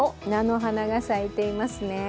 菜の花が咲いていますね。